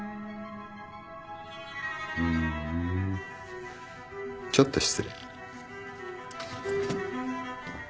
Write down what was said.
うーんちょっと失礼。